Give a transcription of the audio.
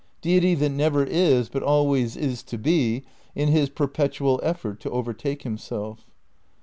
Deity that never is but always is to be, in his perpetual effort to overtake himself.